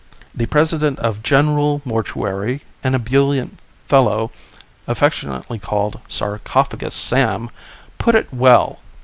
The President of General Mortuary, an ebullient fellow affectionately called Sarcophagus Sam, put it well.